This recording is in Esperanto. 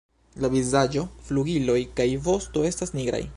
La vizaĝo, flugiloj kaj vosto estas nigraj.